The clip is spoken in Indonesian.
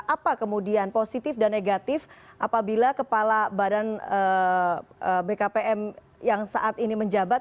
apa kemudian positif dan negatif apabila kepala badan bkpm yang saat ini menjabat